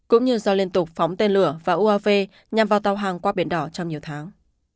cũng như do liên tục phóng tên lửa và uav nhằm vào tàu hàng qua biển đỏ trong nhiều tháng